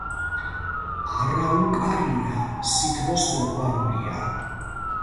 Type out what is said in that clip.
არაუკარია სითბოს მოყვარულია.